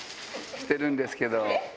してるんですけど。